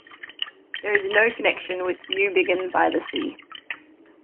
There is no connection with Newbiggin-by-the-Sea.